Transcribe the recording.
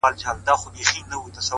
غټي سترگي شينكى خال د چا د ياد!!